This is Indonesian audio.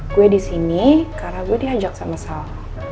gue disini karena gue dihajak sama sal